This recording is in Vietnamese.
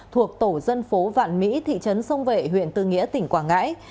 thuộc tổ dân phố vạn mỹ thị trấn sông vệ huyện tư nghĩa tỉnh quảng ngãi